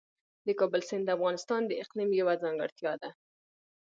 د کابل سیند د افغانستان د اقلیم یوه ځانګړتیا ده.